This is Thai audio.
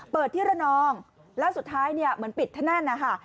เปิดที่ระนองแล้วสุดท้ายเนี่ยเหมือนปิดที่นั่นนะคะ